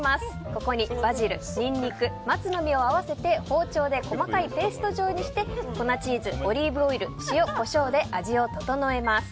ここにバジル、ニンニク松の実を合わせて包丁で細かいペースト状にして粉チーズ、オリーブオイル塩、コショウで味を調えます。